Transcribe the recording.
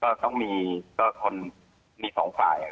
ก็ต้องมีคนมีสองฝ่าย